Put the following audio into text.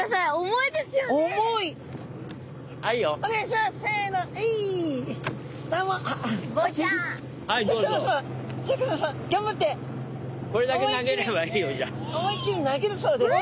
思いっきり投げるそうです。